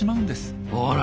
ほら！